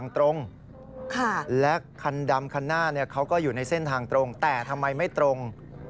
แต่ทำไมไม่ตรง